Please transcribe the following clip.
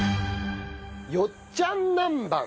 よっちゃんなんばん。